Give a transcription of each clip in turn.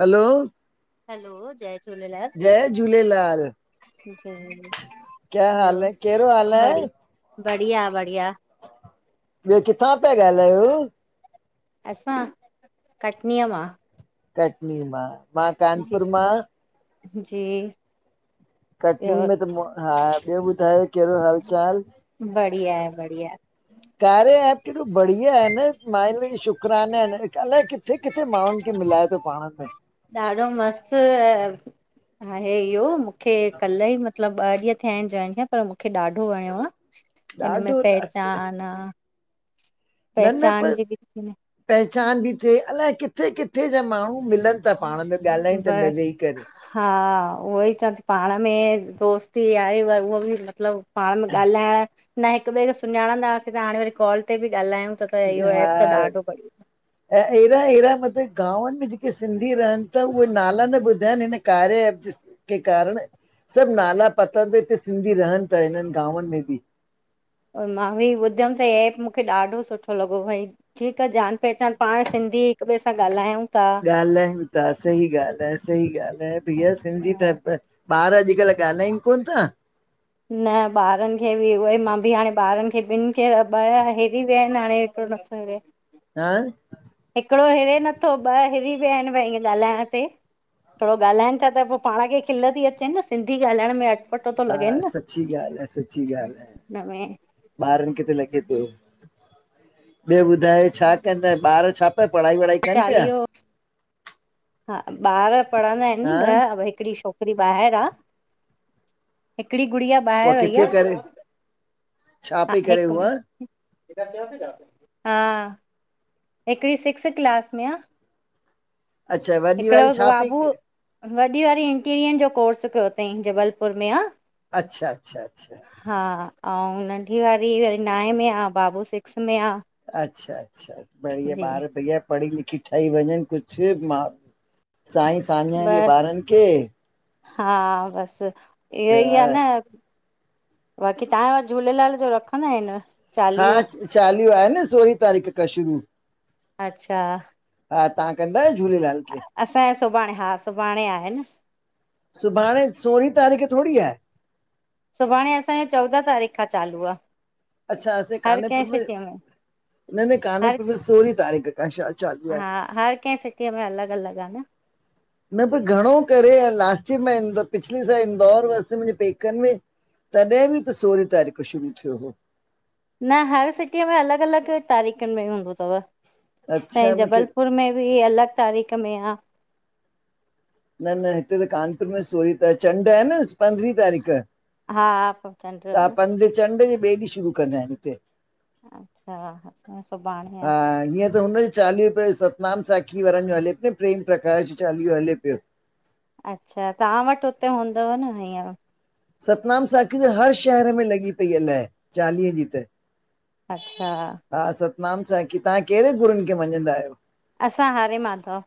हलो hello जय झूलेलाल। जय झूलेलाल क्या हाल ॿियो है कहिड़ो हाल ब आहे बढ़िया, बढ़िया। ॿियो किथां पिया ॻाल्हायो? असां कटनीय मां। कटनी मां, मां जी कानपुर मां। जी। कटनी ॿियो में त मो हा ॿियो ॿुधायो? कहिड़ो हाल चाल? बढ़िया आहे बढ़िया कार्या ऐप केदो बढिया आहे न मालिक जा शुकराना आहेन। अलाए कि किथे किथे माण्हुनि खे मिलाए थो पाण में? ॾाढो मस्तु आहे इहो मूंखे कल्ह ई मतलब ॿ ॾींहं थिया आहिनि जॉइन थिया पर मूंखे ॾाढो वणियो आहे हिन में ॾाढो ॾा- पहचान आ। न न पहचान पर जी बि पहचान बि थिए अलाए किथे किथे जा माण्हू मिलनि त पाण में ॻाल्हायनि त बस वेही करे। हा उहो ई चाती पाण में दोस्ती आहे व उहो बि मतलबु पाण में ॻाल्हाया न हिक ॿिए खे सुञाणंदासीं त हाणे वरी कॉल ते बि ॻाल्हायूं त त इहो एप त हा ॾाढो बढ़िया ऐं अहिड़ा अहिड़ा मतिलबु गांवनि में जेके सिंधी रहनि था उहे नाला न ॿुधनि हिन कार्य ऐप के कारण सभु नाला पता त हिते सिंधी रहनि था हिननि गांवनि में बि मां बि ॿुधमि त हीउ एप मूंखे ॾाढो सुठो लॻो भई ठीकु आहे जान पहचान पाण सिंधी हिक ॿिए सां ॻाल्हायूं था ॻाल्हायूं ता सही ॻाल्हि आहे सही ॻाल्हि आहे भैया सिंधियत हा ॿार अॼुकल्ह ॻाल्हाइनि कोन ता न ॿारनि खे बि उहेई मां बि हाणे ॿारनि खे ॿिन्हीं खे ॿ हिरी विया आहिनि हाणे एॾा सारा [inaudible] हा हिकिड़ो हिरे नथो ॿ हिरी विया आहिनि भई ॻाल्हाइण ते थोरो ॻाल्हाइनि था त पोइ पाण खे खिल थी अचेनि न सिंधी ॻाल्हाइण में थो हा लॻेनि सची ॻाल्हि आहे सची ॻाल्हि आहे न मे ॿारनि खे त लॻे पियो ॿियो ॿुधाए छा कंदा ॿार छा पढ़ाई वढ़ाई कनि पिया चालीहो हा ॿार पढ़ंदा आहिनि हा ॿ हिकिड़ी छोकिरी ॿाहिरि आहे हिकिड़ी गुड़िया उहा ॿाहिरि वई किथे आ करे छा हा पई करे हिकु उहा मिन् हा हिकिड़ी सिक्स्थ क्लास में आ अच्छा वॾी हिकिड़ो वारी छा पई बाबू वॾी वारी इंटीरियर जो कोर्स कयो अथई जबलपुर में अच्छा -अच्छा- अच्छा हा आऊ ऐं नंढी वारी वरी नाएं में आहे बाबू सिक्स में आहे अच्छा अच्छा बढ़िया जी ॿार भईया पढ़ी लिखी ठही वञनि कुझु मा साईं साञाय ॾे बसि ॿारनि खे हा बसि इहो ई आहे न त बाक़ी तव्हां वटि झूलेलाल जो रखंदा आहिनि हा चालीहो? चालीहो आ न सोरहीं तारीख़ खां शुरू अच्छा हा तव्हां कंदा आहियो झूलेलाल खे असांजो सुभाण हा सुभाणे आहे न सुभाणे सोरहीं तारीख़ थोड़ेई आहे सुभाणे असांजो चोॾहं तारीख़ खां चालू आहे अच्छा असां जे कानपुर में न न हर कानपुर में सोरहीं तारीख खां आहे चालू आहे हा हर कंहिं सिटीअ में अलॻ अलॻ आहे न न पर घणो करे लास्ट में मां पिछली साल इंदौर हुअसि मुंहिंजे पेकनि में तॾहिं बि त सोरहीं तारीख़ खां शुरू थियो हो न हर सिटीअ में अलग- अलग तारीख़ुनि में हूंदो अथव असांजे अच्छा मूंखे जबलपुर में बि अलग तारीख़ में आ न न हिते त कानपुर में सोरीह त चंड आहे न पंद्रहीं तारीख़ हा चंड त आ न पंध चंड जे ॿिए ॾींहुं शुरू कंदा आहिनि हिते अच्छा असां सुभाणे आ हा हीअं त हुनई चालीहो पियो सतनाम साखी वारनि जो हले पियो, प्रेम प्रकाश जो चालीहो हले पियो। अच्छा तां वटि हुते हूंदव न हिअर? सतनाम साखी जी हर शहर में लॻी पई आ लय, चालीहे जी त। अच्छा हा सतनाम साखी तां कहिरे गुरूनि खे मञंदा आहियो। असां हरे माधव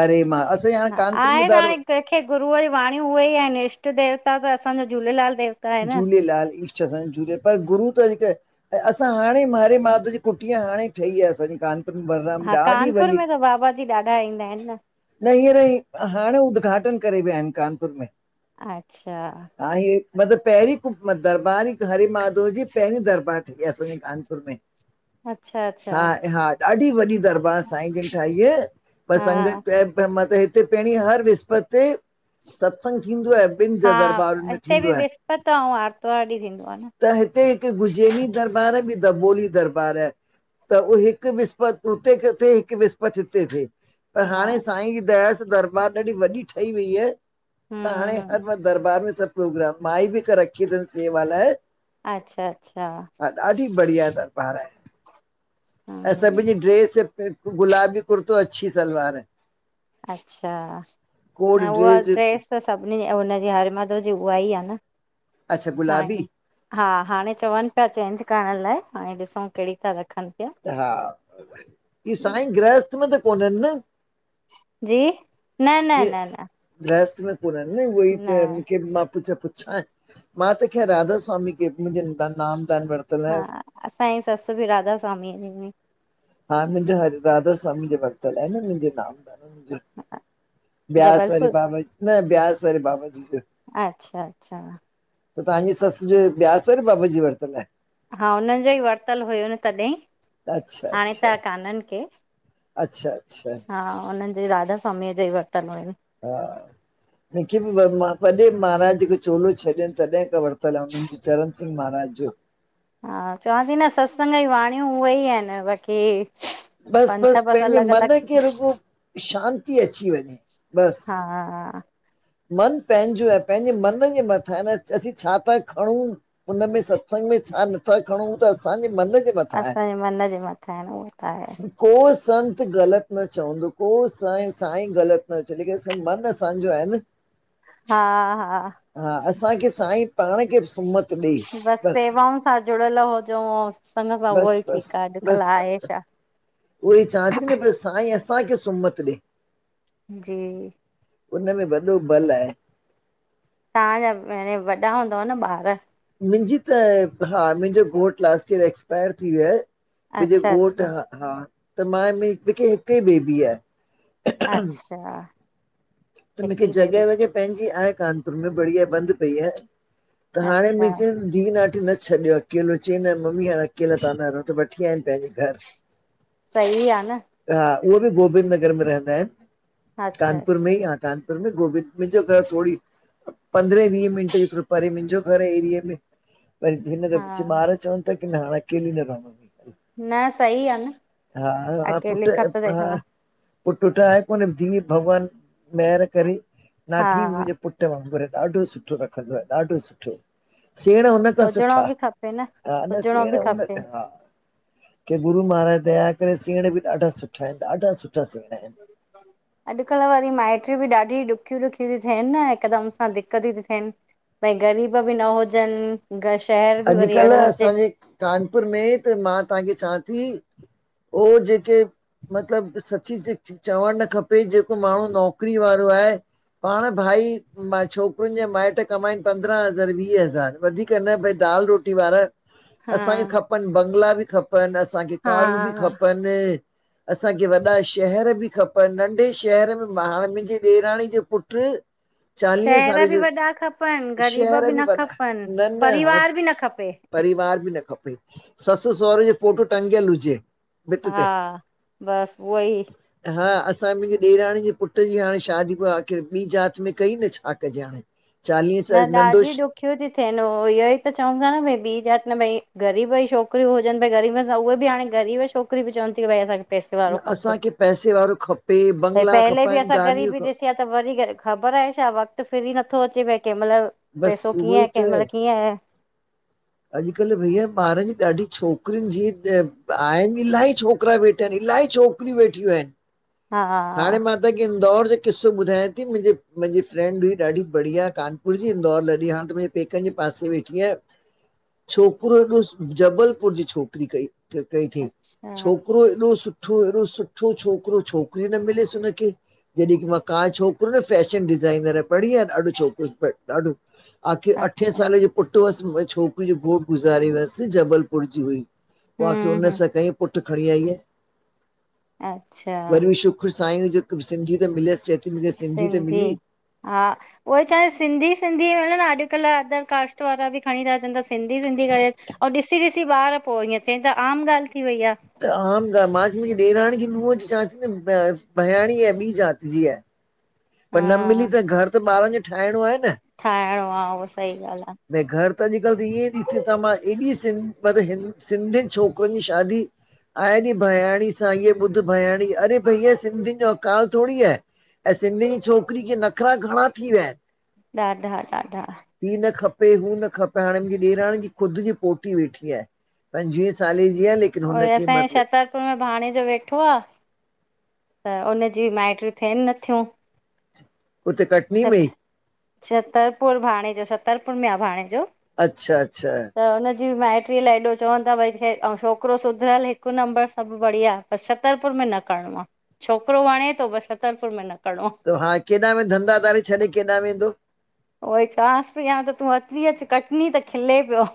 हरे मां, असीं हाणे हा कानपुर में आहे त दर हाणे कंहिंखे गुरूअ जी वाणी उहेई आहिनि इष्ट देवता त असांजा झूलेलाल देवता आहिनि न झूलेलाल इष्ट असांजो झूलेलाल पर गुरू त हिकु ऐं असां हाणे हरे माधव जी कुटिया हाणे ठही आ असांजी कान हा कानपुर में त बाबा जी ॾाढा ईंदा आहिनि न। न हींअर ई हाणे उद्घाटन करे विया आहिनि कानपुर में। अच्छा आहे मतिलबु पहिरीं कु दरबार हरि माधव जी पहिरीं दरबार ठही आ असांजे कानपुर में। अच्छा अच्छा हा हा ॾाढी वॾी दरबार साईं जिन ठाई है। पर हा संगत मत हिते पहिणी हर विस्पति ते सत्संग थींदो आ। ॿिनि जॻह दरबारनु में थींदो आहे। पता आउं आर्तवार ॾीं थींदो। आहे न त हिते हिकु गुजैनी दरबार आ बि दबोली दरबार आह। त उह हिकु विसपति हुते क थिए हिकु विसपति हिते थिए। पर हा हाणे साईं जी दया सां दरबार ॾाढी वॾी ठही वई आ। त हाणे हम्म हर हम्म बार दरबार में सभु प्रोग्राम, माई बि हिकु रखी तनि सेवा लाए। अच्छा अच्छा हा ॾाढी बढ़िया दरबार आहे, ऐं सभिन हम्म जी ड्रेस त गुलाबी कुर्तो अच्छी सलवार अच्छा कोड न उवा ड्रेस अच्छा त सभिनीनि जी अ हुनजी हरे मादव जी उहा ई आ न गुलाबी हाणे। हा हाणे चवनि पिया चेंज करणु लाइ, हाणे ॾिसूं कहिड़ी ता रखनि। पिया हा ई साईं गृहस्थ में त कोननि न? जी न न इहे न न गृहस्थ में कोननि न उहोई त मूंखे मां पुछ पुछाए। मां त खेर राधा स्वामी के मुंहिंजे त नाम दान वर हा असांई ससु बि राधा स्वामी जी में। हा मुंहिंजो हर राधा स्वामी जो वरतल आहे न मुंहिंजे नाम। ब्यास वारे जबलपुर बाबा न ब्यास वारे बाबा जी जो अच्छा अच्छा त तव्हांजी ससु जो ब्यास वारे बाबा जी वरतल आहे। हा हुननि जो ई वरतलु हुयो न तॾहिं, अच्छा हाणे अच्छा त काननि खे। अच्छा अच्छा हा हुननि जे राधा स्वामीअ जाई वरतल हुअन। हा मूंखे बि वॾे महाराज ॼेको चोलो छॾियनि तॾहिं खां वरितल आहे हुनननि जो चरण सिंह महाराज जो। हा चवांती न सत्संग जी वाणियूं उहे ई आहिनि बाक़ी बसि पंथ बसि पंहिंजे अलॻि मन अलॻि खे रुगो शांती अची वञे, हा बसि। मन पंहिंजो आहे पंहिंजे मन जे मथां आहे न असीं छा ता खणूं। हुनमें सत्संग में छा नथा खणऊ त असांजे मन जे मथां आहे असांजे मन जे मथां आहिनि उहो त आहे। को संत ग़लति न चवंदो को साई साईं ग़लति न चव लेकिन मनु असांजो आहे न। हा, हा। हा, असांखे साईं पाण खे सुमत ॾे बसि बस सेवाऊनि सां जुड़ियल हुजऊं सतसंग सां उहो बस ई ठीकु आ अॼुकल्ह आहे छा? ऊहे ई चा थी न भई साई असां खे सुमत दे। जी। उनमें वॾो बलु आहे। तव्हांजा हने वॾा हूंदव न ॿार? मुंहिंजी त हा मुंहिंजो घोटु लास्ट ईयर एक्सपायर थी वियो आहे, मुंहिंजो अच्छा अच्छा घोटु ह हा त मां मूंखे हिक ई बेबी आहे। अच्छा। त हिक मूंखे ई बेबी जॻह वॻह पंहिंजी आहे कानपुर में, बढ़िया बंदि पई आहे। त हाणे अच्छा [unintelligible] धीउ, नाठी न छॾयो अकेलो। चई न मम्मी हाणे अकेला तहां न रहो, त वठी आया इनि पंहिंजे घर। [inaudible] सही आ न। हा उह बि गोबिंद नगर में रहंदा आइन। अच्छा, अच्छा। हा कानपुर में गोबिंद, मिंजो घर थोडी़ पंद्रहें-वीहे मिंटे जेत्रो परे मिंजो घर एरिए में वरी हिन जे विच हा ॿार चवनि था की न, हाणे अकेली न रव न सही आ न हा, हा, अकेले पुट खत हा। तंहिंखां पुट्र वुट आहे कोने, धीअ भॻवान मेंहर करे, नाठी हा मुंजो पुट पुट्र वांगुर, ॾाढो सुठो रखंदो आ, ॾाढो सुठो, सेंण हुन [unintelligible] हुजिणो सुठा, बि खपे न हा, न हुजिणो सेंण बि उन खपे का कि गुरु महाराज दया करे, सेंण बि ॾाढा सुठा आहिन, ॾाढा सुठा सेण आहिंन। [inaudible] अॼुकल्ह वरी माइट्रियूं बि ॾाढी ॾुखियूं-ॾुखियूं थी थियनि न, हिकदम सां दिक्तियूं थ्यूं थियन। भई ग़रीब बी न हुजन, ग शहर बि वरी ऐड़ो अॼुकल्ह हुजे। असांजे कानपुर में, त मां तहांखे चवां थी, ओ जेके मतलब सची-सची चवणु न खपे, जेको माणू नौकरी वारो आहे। पाण भाई, मा छोकरुन जे माइट्र कमाइन पंद्रहं हज़ार, वीह हज़ार, वधीक न भई दाल-रोटी वारा, हा असांखे खपन बंगला बि खपन, असांखे हा कारूं बि हा, खपन [inaudible] असांखे वॾा शहर बि खपन, नंढे शहर में, मा हाणे मुंजी ॾेराणी जो पुट्र चालीहें शहर साले बि जो, वॾा खपनि ग़रीब शहर बि न वॾा। खपनि न-न हाण। परिवार बि न खपे परिवार बि न खपे, ससु-सौहरे जो फोटू टंग्यल हुजे। भित ते हा, बस उओ ई। हा, असां मुंजे ॾेराणी जे पुट जी हाणे शादी पो आख़िर ॿी जात में कई न, छा कजे हाणे। चालीह स न, नंढो ॾाढी ॾु ॾुख्यूं तो थियनि उ इहो ई त चवनि था न भई ॿी जात न भई ग़रीब ई छोकिरियूं हुजनि भई ग़रीब सां उहे बि हाणे गरीब छोकरीयूं बी चवन थियूं भई असांखे पैसे न, वारो खप्पे। असांखे पैसे वारो खपे ऐं बंगला पहले भी खपनि असां गाॾियूं गरीबी ख ॾिसी ॾिठी आ, ख़बर आहे छा, वक़्तु फिरी नथो अचेव, भइ केहमल बसि पेसो उहो कीअं आ, ई त केमल कीअं आ। अॼु-कल्ह भैया ॿारनि जी ॾाढी छोकरियुन जी, आहिन इलाही छोकरा वेठा हिन, इलाही छोक करी वेठियूं एन। हाणे हा मां ताके इंदौर जो किस्सो ॿुधायां ती। मुंजी, मुंजी फ्रेंंड हुई ॾाढी बढ़िया कान पुर जी इंदौर लॾे। हाण त [unintelligible] पेकनि जे पासे वेठी आ। छोकिरो ॾिस जबलपुर जी छोकरी कई कई थइ। अच्छा छोकरो एॾो सुठ सुठो, एॾो सुठो छोकरो, छोकरी न मिलयस हुनखे। जॾिकी मां का छोकरो न फैशन डिजाइनर आ। बढ़िया ॾाढो छोकरो ब ॾाढो आखिर अठें अच्छा साले जो पुट हुअस। छोकरीअ जो घोट गुज़ारे वयुस, जबलपुर जी हुई। पो आखिर हम्म हम्म उनसां कइं। पुट खणी आई आहे। अच्छा वरी बि शु खुरसायूं जेक सिंधी त मिलयसि सिंधी, आ उओ ही चवां सिंधी-सिंधी मिल न। अॼु-कल्ह अदर कास्ट वारा बि खणी था अचनि त सिंधी-सिंधी करे अऊं ॾिसी-ॾिसी ॿार पोइ ईअ थींता, आम ॻाल थी वई आ। त आम ॻा मा, मुंजी ॾेराणींअ जी नूहं चंया ती न भयाणी ऐं ॿी जात जी आहे। पर न मिली हा त, घर त ॿारन जो ठाहिणो आहे न। ठाहिणो आहे, उहा सही ॻाल्ह आ। भई घर त अॼु-कल्ह त ईअं ई ॾि थए त मां एॾी सिं मतलब हिन सिंधियुनि छोकरुनि जी शादी आहे नी भयाणी सां, इए ॿुध भयाणी। अरे भईया, सिंधियुन जो अकाल थोडी़ आहे। ऐं सिंधियुनि जी छोकिरी के नखरा घणा थी विया आहिनि। ॾाढा- ॾाढा हीउ न खपे, हू न खपे, हाणे मुंहिंजी ॾेराणी जी खुदि जी पोटी वेठी आहे। पंजवीह सालनि जी आहे। ल असांजे छात्तर ॻोठु में भाणे जो वेठो आहे त हुनजी माइटी थियनि नथियूं। उते कटनी में छत ई? छतरपुर भाणे जो, छतरपुर में आहे भाणे जो। अच्छा- अच्छा त हुनजी माइटीअ लाइ एॾो चवनि था, भई ऐं छोकिरो सुधरियल हिकु नंबर सभु बढ़िया। बसि छतरपुर में न करिणो आहे। छोकिरो वणे थो, बसि छतरपुर में न करिणो आहे। त हा केॾा में धंधा धारे छॾे केॾा में वेंदो? उहोई चवासं पई, या त तूं अची अच कटनी त खिले पियो।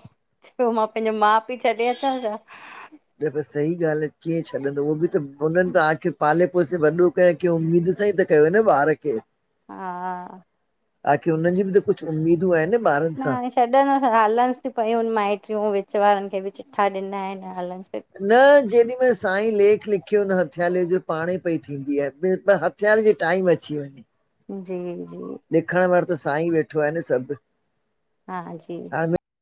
पोइ मां पंहिंजा माउ पीउ छॾे अचां छा? न त सही ॻाल्हि आहे, कीअं छॾींदो उहो बि त, हुननि त आख़िर पाले पोसे वॾो कयो, कंहिं उमेद सां ई त कयो न ॿार खे। हा हा आखिर हुननि जी बि त कुझु उमेदूं आहिनि न। ॿारनि न सां हाणे छॾनि हलनिस थी पयूं माइटियूं विच वारनि खे बि चिठा ॾिना आहिनि। हलस न जेॾी महिल साईं लेख लिखियो न हथियाले जो पाण ई पई थींदी आहे। थियण जो टाइम अची वञे। जी -जी लिखण वारो त साईं वेठो आहे न सभु। हा हा जी हाणे